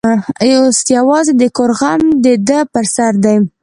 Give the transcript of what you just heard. اوس یوازې د کور غم د ده پر سر دی.